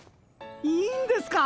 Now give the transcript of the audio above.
いいんですか！？